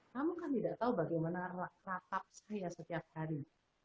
kamu kan tidak tahu bagaimana ratab saya setiap hari